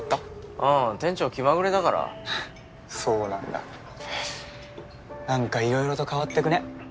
あぁ店長気まぐれだからそうなんだなんかいろいろと変わってくね